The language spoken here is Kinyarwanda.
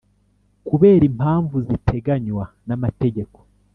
kubera impamvu ziteganywa n’amategeko;